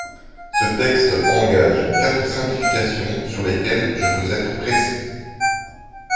Ce texte engage quatre simplifications sur lesquelles je veux être précis.